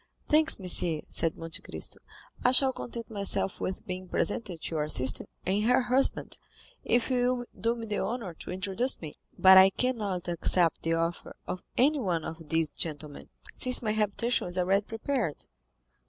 "Thanks, monsieur," said Monte Cristo; "I shall content myself with being presented to your sister and her husband, if you will do me the honor to introduce me; but I cannot accept the offer of anyone of these gentlemen, since my habitation is already prepared."